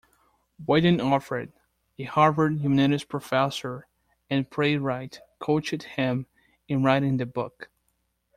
William Alfred, a Harvard humanities professor and playwright, coached him in writing the book.